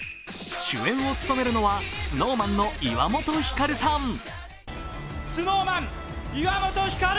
主演を務めるのはＳｎｏｗＭａｎの岩本照さん。